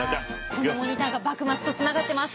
このモニターが幕末とつながってます！